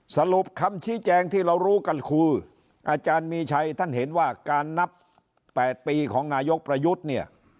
สรุปคำชี้แจงที่เรารู้กันคืออาจารย์มีชัยท่านเห็นว่าการนับ๘ปีของนายกประยุทธ์เนี่ย